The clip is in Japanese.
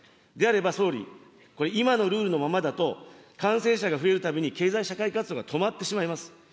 であれば、総理、今のルールのままだと感染者が増えるたびに、経済社会活動が止まってしまいます。